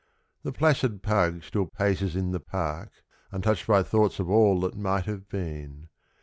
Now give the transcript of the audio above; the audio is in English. = The placid Pug still paces in the park, `Untouched by thoughts of all that might have been.